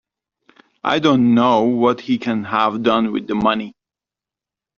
I don't know what he can have done with the money.